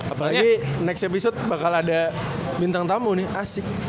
apalagi next episode bakal ada bintang tamu nih asik